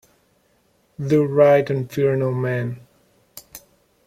Do right and fear no man.